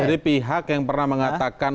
jadi pihak yang pernah mengatakan